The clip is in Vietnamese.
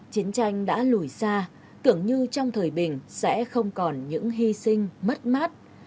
chiến tranh đã lùi xa tưởng như trong thời bình sẽ không còn những hy sinh mất mát